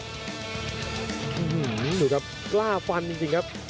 ดูครับกล้าฟันจริงครับ